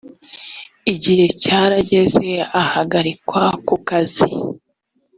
igihe cyarageze ahagarikwa ku kazi